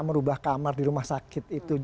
merubah kamar di rumah sakit itu